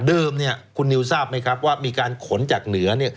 คุณนิวทราบไหมครับว่ามีการขนจากเหนือ